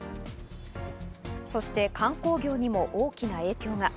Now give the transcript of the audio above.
そして観光業にも大きな影響が。